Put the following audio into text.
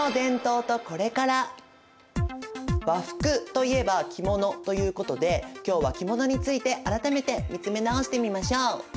和服といえば着物ということで今日は着物について改めて見つめ直してみましょう。